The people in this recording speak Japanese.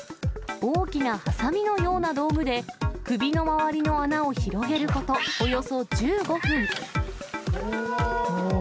大きなはさみのような道具で、首の周りの穴を広げることおよそ１５分。